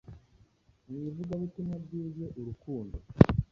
Mu ivugabutumwa ryuje urukundo,